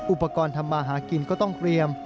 อุปกรณ์ทำมาหากินก็ต้องเตรียม